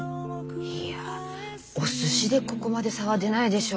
いやおすしでここまで差は出ないでしょ。